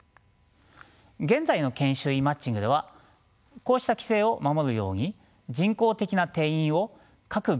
現在の研修医マッチングではこうした規制を守るように人工的な定員を各病院について定め